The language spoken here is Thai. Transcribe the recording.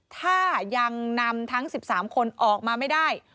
ถ้ายังนำทั้ง๑๓คนออกมาไม่ได้